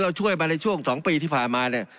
เราช่วยมาในช่วง๒ปีที่ผ่านมา